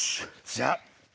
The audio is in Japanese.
じゃあ。